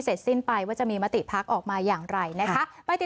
เสร็จสิ้นไปว่าจะมีมติพักออกมาอย่างไรนะคะ